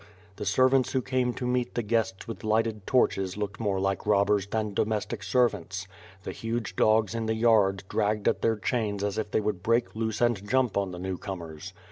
The servants who came to meet the guests with lighted torches looked more like robbers than domestic servants. The husre dogs in the yard dragged at their chains as if they would break loose and jump on the newcomers.